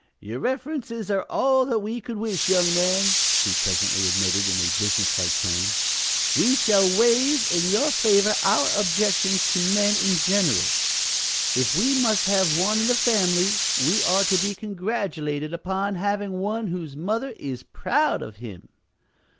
"Your references are all that we could wish, young man," she presently admitted in a businesslike tone. "We shall waive, in your favor, our objections to men in general. If we must have one in the family we are to be congratulated upon having one whose mother is proud of him."